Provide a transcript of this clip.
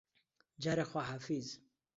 جارێ خواحافیز